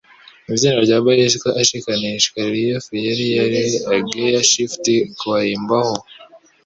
Ni izina rya bicycle ashikanishwa Raleigh yari yari A Gearshift ku wa imbaho